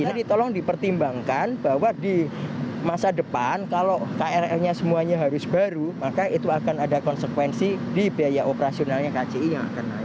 jadi tolong dipertimbangkan bahwa di masa depan kalau krl nya semuanya harus baru maka itu akan ada konsekuensi di biaya operasionalnya kci yang akan naik